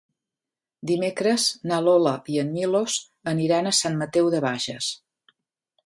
Dimecres na Lola i en Milos aniran a Sant Mateu de Bages.